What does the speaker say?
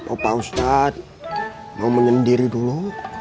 opa ustadz mau menyendiri dulu